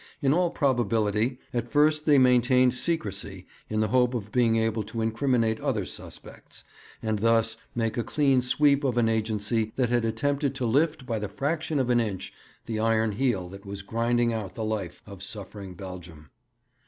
In all probability at first they maintained secrecy in the hope of being able to incriminate other suspects, and thus make a clean sweep of an agency that had attempted to lift by the fraction of an inch the iron heel that was grinding out the life of suffering Belgium.